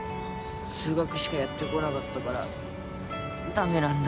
数学しかやってこなかったからダメなんだ